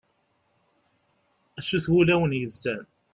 a sut n wulawen yezzan